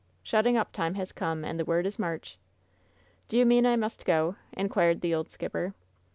Shutting up time has come, and the word is march!" "Do you mean I must go ?" inquired the old skipper.